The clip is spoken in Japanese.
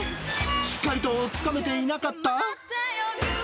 しっかりとつかめていなかった？